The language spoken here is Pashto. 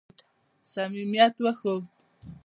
صمیمیت وښود.